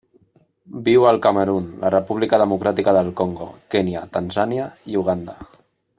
Viu al Camerun, la República Democràtica del Congo, Kenya, Tanzània i Uganda.